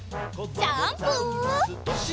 ジャンプ！